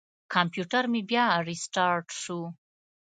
کمپیوټر مې بیا ریستارټ شو.